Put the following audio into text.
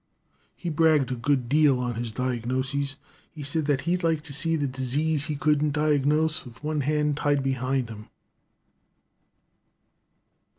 "He bragged a good deal on his diagnosis. He said he'd like to see the disease he couldn't diagnose with one hand tied behind him.